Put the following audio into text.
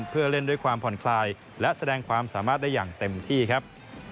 เพื่อเล่นด้วยความผ่อนคลายและแสดงความสามารถได้อย่างเต็มที่ครับ